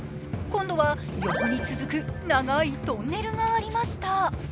今度は横に続く長いトンネルがありました。